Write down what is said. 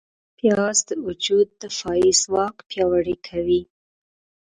پیاز د وجود دفاعي ځواک پیاوړی کوي